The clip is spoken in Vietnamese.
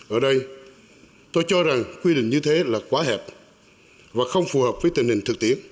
ở đây tôi cho rằng quy định như thế là quá hẹp và không phù hợp với tình hình thực tiễn